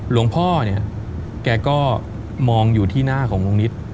หลวงพ่อเนี่ยแกก็มองอยู่ที่หน้าของลุงนิด